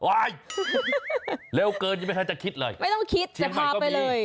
โอ๊ยเร็วเกินก็ไม่ทันจะคิดเลยเฉียงใหม่ก็มี